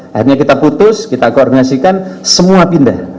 akhirnya kita putus kita koordinasikan semua pindah